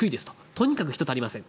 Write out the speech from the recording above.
とにかく人が足りません。